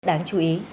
đáng chú ý